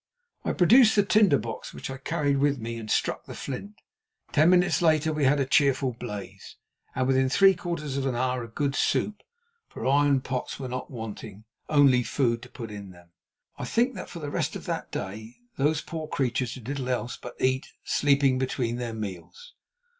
I produced the tinder box which I carried with me, and struck the flint. Ten minutes later we had a cheerful blaze, and within three quarters of an hour good soup, for iron pots were not wanting—only food to put into them. I think that for the rest of that day those poor creatures did little else but eat, sleeping between their meals.